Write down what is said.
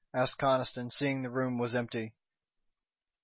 asked Conniston, seeing the room was empty.